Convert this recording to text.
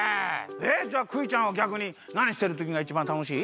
えっじゃあクイちゃんはぎゃくになにしてるときがいちばんたのしい？